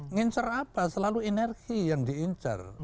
ngincar apa selalu energi yang diincar